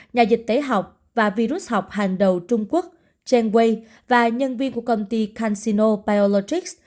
nhà dịch tế học và virus học hàng đầu trung quốc chen wei và nhân viên của công ty cansino biologics